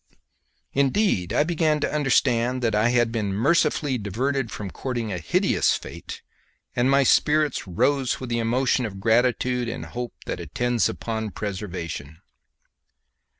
Indeed I began to understand that I had been mercifully diverted from courting a hideous fate, and my spirits rose with the emotion of gratitude and hope that attends upon preservation.